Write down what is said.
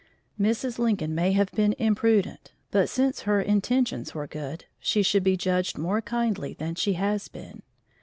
Mrs. Lincoln may have been imprudent, but since her intentions were good, she should be judged more kindly than she has been.